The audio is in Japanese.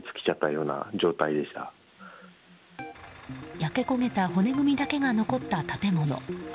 焼け焦げた骨組みだけが残った建物。